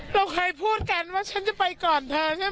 เราเคยพูดกันว่าฉันจะไปก่อนเธอใช่ไหม